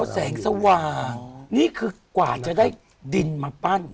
แสงสว่างนี่คือกว่าจะได้ดินมาปั้น